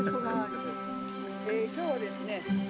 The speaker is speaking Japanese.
今日はですね。